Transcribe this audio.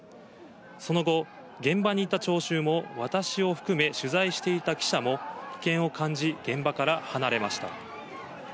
その後、現場にいた聴衆も、私を含め取材していた記者も、危険を感じ、現場から離れました。